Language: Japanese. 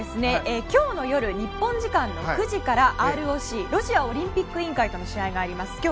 今日の夜日本時間の９時からＲＯＣ・ロシアオリンピック委員会との試合があります。